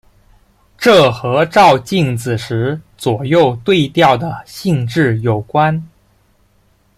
这和照镜子时左右对调的性质有关。